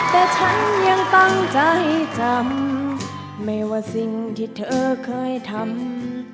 แต่ฉันยังตั้งใจจำไม่ว่าสิ่งที่เธอเคยทำ